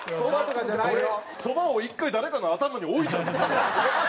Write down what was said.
そばを１回誰かの頭に置いたんでしょ？